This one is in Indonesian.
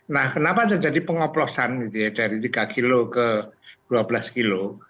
nah kenapa terjadi pengoplosan dari tiga kg ke dua belas kg